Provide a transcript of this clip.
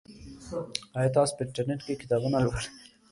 آیا تاسو په انټرنیټ کې کتابونه لولئ؟